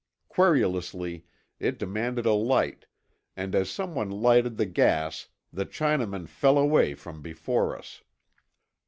Querulously it demanded a light, and as someone lighted the gas the Chinamen fell away from before us.